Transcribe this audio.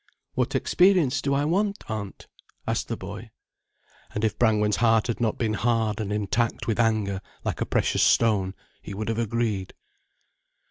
"What experience do I want, Aunt?" asked the boy. And if Brangwen's heart had not been hard and intact with anger, like a precious stone, he would have agreed.